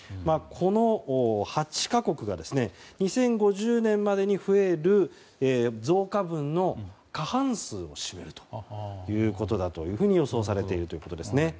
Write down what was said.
この８か国が２０５０年までに増える増加分の、過半数を占めると予想されているということです。